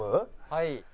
はい。